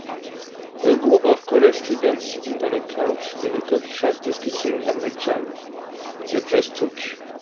A group of college students sitting on a couch in a coffee shop discussing an exam they just took